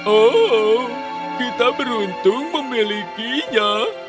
oh kita beruntung memilikinya